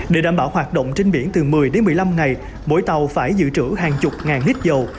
để đảm bảo hoạt động trên biển từ một mươi đến một mươi năm ngày mỗi tàu phải dự trữ hàng chục ngàn lít dầu